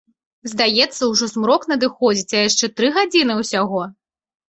Здаецца, ужо змрок надыходзіць, а яшчэ тры гадзіны ўсяго.